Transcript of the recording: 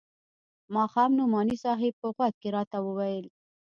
ماښام نعماني صاحب په غوږ کښې راته وويل.